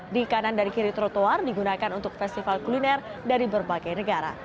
di kanan dari kiri trotoar digunakan untuk festival kuliner dari berbagai negara